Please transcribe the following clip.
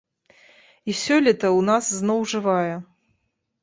І сёлета ў нас зноў жывая.